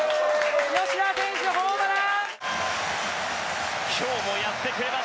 吉田選手、ホームラン！